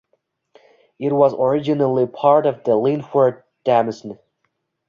It was originally part of the Linford demesne.